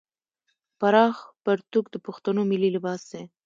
پراخ پرتوګ د پښتنو ملي لباس دی.